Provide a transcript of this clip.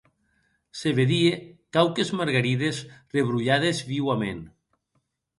Se vedie quauques margarides rebrolhades viuament.